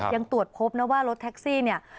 ยังตรวจพบนะว่ารถแท็กซี่เนี่ย